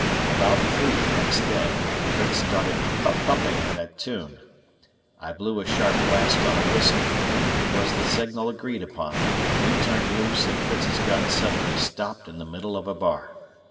About three the next day, Fritz started "pup pupping" that tune. I blew a sharp blast on a whistle, it was the signal agreed upon; we turned loose and Fritz's gun suddenly stopped in the middle of a bar.